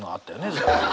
ずっと。